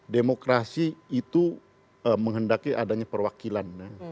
demokrasi itu menghendaki adanya perwakilan